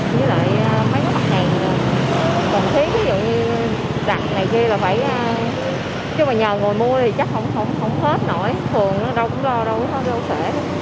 ví dụ như đặt này kia là phải chứ mà nhờ người mua thì chắc không hết nổi thường đâu cũng lo đâu có sợ